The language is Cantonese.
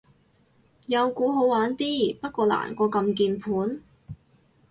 有鼓好玩啲，不過難過撳鍵盤